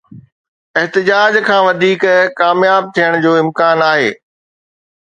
احتجاج کان وڌيڪ ڪامياب ٿيڻ جو امڪان آهي.